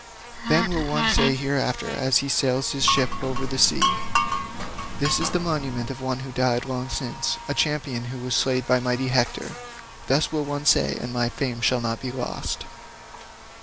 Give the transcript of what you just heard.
Then will one say hereafter as he sails his ship over the sea, 'This is the monument of one who died long since a champion who was slain by mighty Hector.' Thus will one say, and my fame shall not be lost."